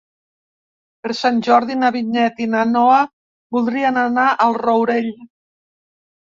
Per Sant Jordi na Vinyet i na Noa voldrien anar al Rourell.